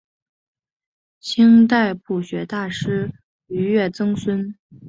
清代朴学大师俞樾曾孙。